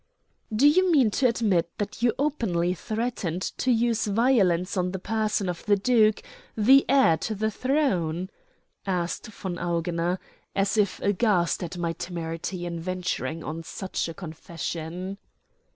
"Do you mean to admit that you openly threatened to use violence on the person of the duke, the heir to the throne?" asked von Augener, as if aghast at my temerity in venturing on such a confession.